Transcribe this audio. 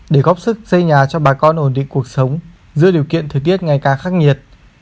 để góp sức xây nhà cho bà con ổn định cuộc sống giữa điều kiện thời tiết ngày càng khắc nghiệt